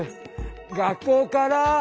学校から！